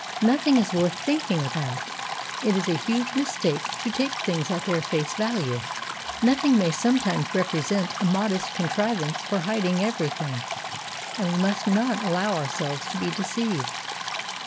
Nothing is worth thinking about. It is a huge mistake to take things at their face value. Nothing may sometimes represent a modest contrivance for hiding everything; and we must not allow ourselves to be deceived.